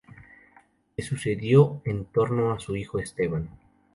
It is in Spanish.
Le sucedió en el trono su hijo Esteban.